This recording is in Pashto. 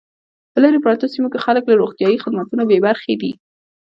په لري پرتو سیمو کې خلک له روغتیايي خدمتونو بې برخې دي